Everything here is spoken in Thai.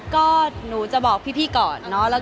ก็จะบอกพี่เจอไปนี้แหละ